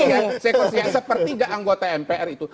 sekurang sekurangnya seperti tiga anggota mpr itu